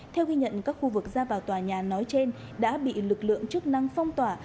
theo ghi nhận các khu vực ra vào tòa nhà nói trên đã bị lực lượng chức năng phong tỏa